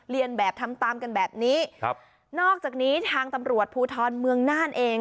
เรียนแบบทำตามกันแบบนี้ครับนอกจากนี้ทางตำรวจภูทรเมืองน่านเอง